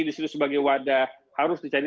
di situ sebagai wadah harus dicari